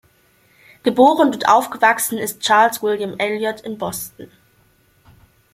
Geboren und aufgewachsen ist Charles William Eliot in Boston.